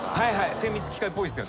精密機械っぽいっすよね。